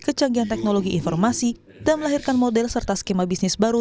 kecanggihan teknologi informasi dan melahirkan model serta skema bisnis baru